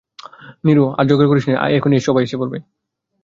নীরু, আর ঝগড়া করিস নে– আয়, এখনই সবাই এসে পড়বে।